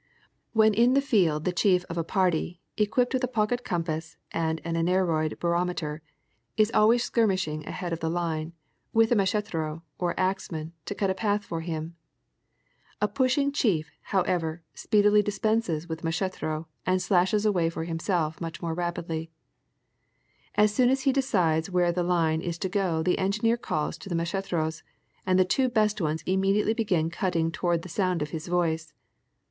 When in the field the chief of a party, equipped with a pocket compass and an aneroid barometer, is always skirmishing ahead of the line with a mach'etero, or axeman, to cut a path for him. A pushing chief, however, speedily dispenses with the mach'etero and slashes a way for himself much more rapidly. As soon as he decides where the line is to go the engineer calls to the m^acheteros and the two best ones immediately begin cut ting toward the sound of his voice.